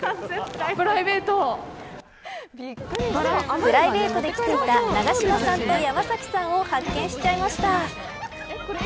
プライベートで来ていた永島さんと山崎さんを発見しちゃいました。